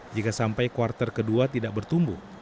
jika sampai kuartal kedua tidak bertumbuh